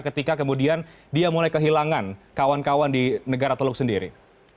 ketika kemudian dia mulai kehilangan kawan kawan di negara teluk sendiri